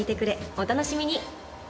お楽しみに！